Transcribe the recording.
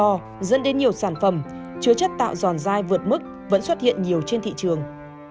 do dẫn đến nhiều sản phẩm chứa chất tạo giòn dai vượt mức vẫn xuất hiện nhiều trên thị trường